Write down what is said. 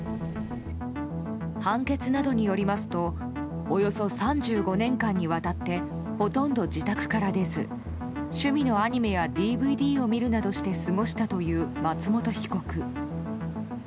判決などによりますとおよそ３５年間にわたってほとんど自宅から出ず趣味のアニメやＤＶＤを見るなどして過ごしたという松本被告。